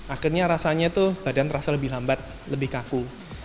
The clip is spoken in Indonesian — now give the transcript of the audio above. akhirnya rasanya tuh badan terasa lebih lambat lebih kaku